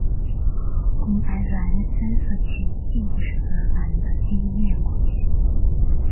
红白蓝三色旗并不是荷兰的第一面国旗。